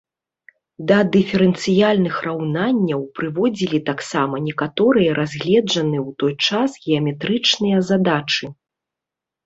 Да дыферэнцыяльных раўнанняў прыводзілі таксама некаторыя разгледжаныя ў той час геаметрычныя задачы.